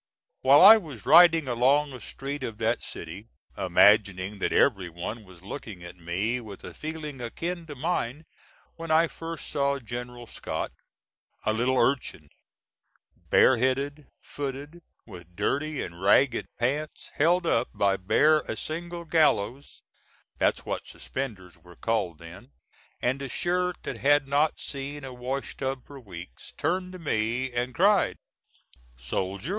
While I was riding along a street of that city, imagining that every one was looking at me, with a feeling akin to mine when I first saw General Scott, a little urchin, bareheaded, footed, with dirty and ragged pants held up by bare a single gallows that's what suspenders were called then and a shirt that had not seen a wash tub for weeks, turned to me and cried: "Soldier!